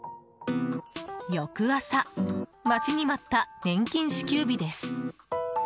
翌朝、待ちに待った年金支給日です。